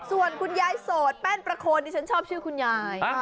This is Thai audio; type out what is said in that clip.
ส่วนคุณยายโสดแป้นประโคนที่ฉันชอบชื่อคุณยาย